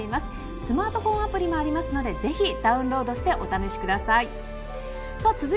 スマートフォンアプリもありますのでぜひダウンロードしてお試しください。